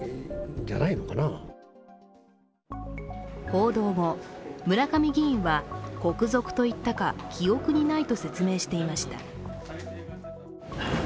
報道後、村上議員は、国賊と言ったか記憶にないと説明していました。